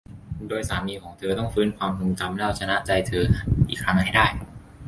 โดยสามีของเธอต้องฟื้นความทรงจำและเอาชนะใจเธออีกครั้งให้ได้